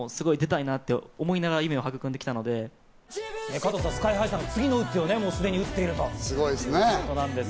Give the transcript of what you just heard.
加藤さん、ＳＫＹ−ＨＩさん、次の一手をもう打っているということです。